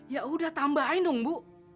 yaudah tambahin dong bu